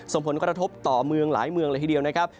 ส่งผลกระทบต่อเมืองหลายเมืองเลยทีเดียวนะครับ